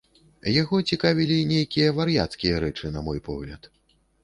Яго цікавілі нейкія вар'яцкія рэчы, на мой погляд.